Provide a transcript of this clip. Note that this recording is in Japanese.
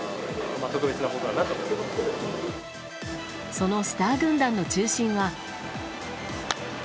そのスター軍団の中心は。